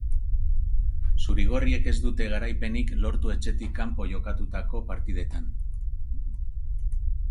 Zuri-gorriek ez dute garaipenik lortu etxetik kanpo jokatutako partidetan.